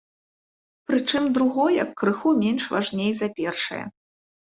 Прычым другое крыху менш важней за першае.